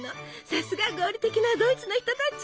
さすが合理的なドイツの人たち！